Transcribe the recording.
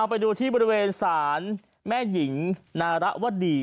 ไปดูที่บริเวณศาลแม่หญิงนารวดี